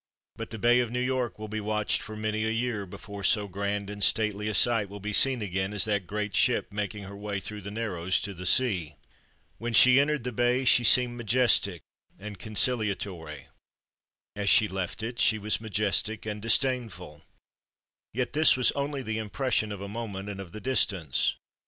But the bay of New York will be watched for many a year before so grand and stately a sight will be seen again as that great ship making her way through the Narrows to the sea. When she entered the bay she seemed majestic and conciliatory; as she left it, she was majestic and disdainful. Yet this was only the impression of a moment and of the distance.